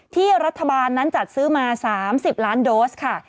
ที่รัฐบาลนั้นจัดซื้อมา๓๐ล้านโดสค่ะ